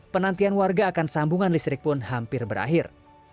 penantian warga akan sambungan listrik pun hampir berakhir